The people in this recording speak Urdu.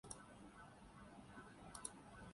پہلے بیٹری سوڈیم